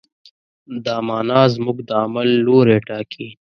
دا معنی زموږ د عمل لوری ټاکي.